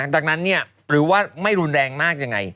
ดังนั้นหรือว่าไม่รุนแรงมากยังไง